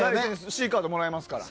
シーカードもらえますから。